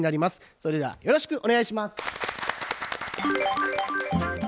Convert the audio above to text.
それではよろしくお願いします。